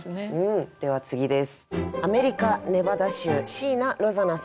では次です。